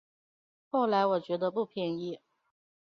后来我觉得不便宜